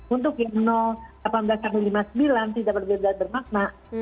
untuk yang delapan belas sampai lima puluh sembilan tidak berbeda bermakna